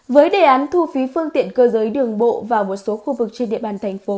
với đề án thu phí phương tiện cơ giới đường bộ vào một số khu vực trên địa bàn thành phố